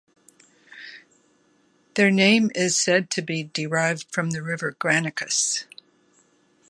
Their name is said to be derived from the river Granicus.